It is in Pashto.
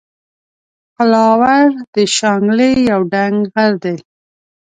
قلاور د شانګلې یو دنګ غر دے